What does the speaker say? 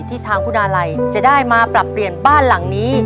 ที่ทางคุณอาลัยจะได้มาปรับเปลี่ยนบ้านหลังนี้